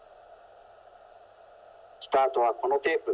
スタートはこのテープ。